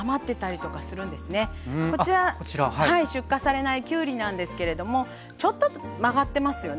こちら出荷されないきゅうりなんですけれどもちょっと曲がってますよね。